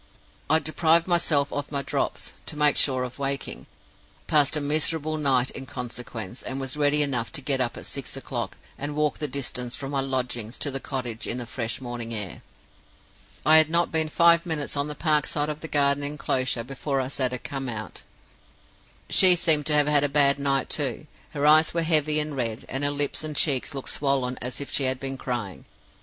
I deprived myself of my Drops, to make sure of waking; passed a miserable night in consequence; and was ready enough to get up at six o'clock, and walk the distance from my lodgings to the cottage in the fresh morning air. "I had not been five minutes on the park side of the garden inclosure before I saw her come out. "She seemed to have had a bad night too; her eyes were heavy and red, and her lips and cheeks looked swollen as if she had been crying.